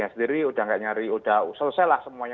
sudah gak nyari sudah selesailah semuanya